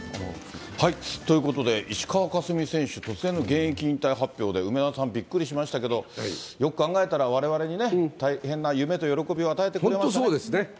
ということで、石川佳純選手、突然の現役引退発表で、梅沢さん、びっくりしましたけど、よく考えたら、われわれに大変な夢と喜びを与えてくれましたね。